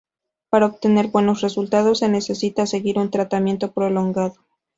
Para obtener buenos resultados se necesita seguir un tratamiento prolongado.